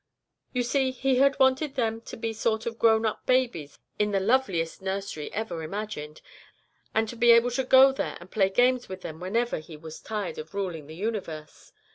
You see, He had wanted them to be sort of grown up babies in the loveliest nursery ever imagined, and to be able to go there and play games with them whenever He was tired of ruling the universe.